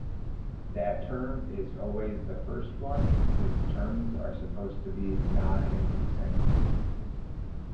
That term is always the first one, since terms are supposed to be non-increasing.